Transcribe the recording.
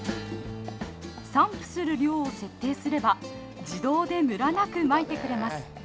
散布する量を設定すれば自動でムラなくまいてくれます。